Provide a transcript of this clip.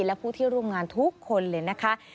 และผู้ที่ร่วมงานทุกคนเลยนะคะ